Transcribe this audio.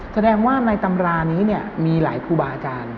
แสดงว่าในตำรานี้มีหลายครูบาอาจารย์